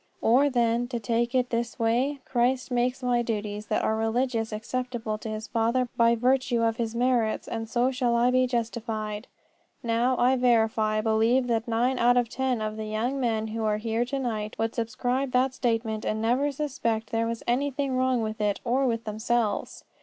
Or, then, to take it this way, Christ makes my duties that are religious acceptable to His Father by virtue of His merits, and so shall I be justified." Now, I verify believe that nine out of ten of the young men who are here to night would subscribe that statement and never suspect there was anything wrong with it or with themselves.